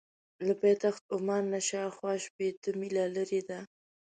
له پایتخت عمان نه شاخوا شپېته مایله لرې ده.